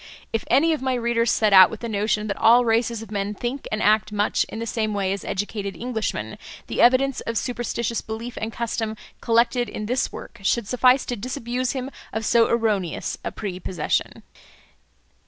If any of my readers set out with the notion that all races of men think and act much in the same way as educated Englishmen, the evidence of superstitious belief and custom collected in this work should suffice to disabuse him of so erroneous a prepossession.